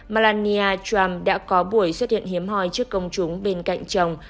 melania trump đã có buổi xuất hiện hiếm hòi trước công chúng bên cạnh chồng